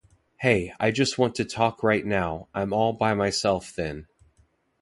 Hey, I just want to talk right now, I'm all by myself then.